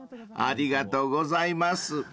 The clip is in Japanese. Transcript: ［ありがとうございます］